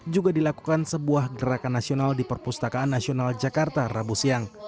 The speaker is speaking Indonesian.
juga dilakukan sebuah gerakan nasional di perpustakaan nasional jakarta rabu siang